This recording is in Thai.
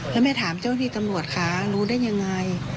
แล้วแม่ถามเจ้าที่ตำรวจคะรู้ได้ยังไง